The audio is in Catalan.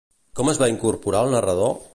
Com es va incorporar el narrador?